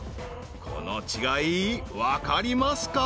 ［この違い分かりますか？］